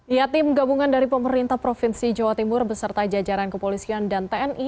ya tim gabungan dari pemerintah provinsi jawa timur beserta jajaran kepolisian dan tni